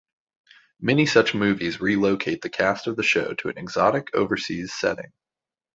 Many such movies relocate the cast of the show to an exotic overseas setting.